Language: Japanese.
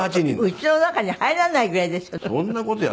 家の中に入らないぐらいでしょ。